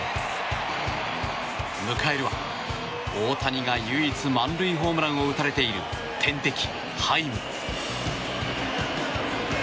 迎えるは、大谷が唯一満塁ホームランを打たれている天敵ハイム。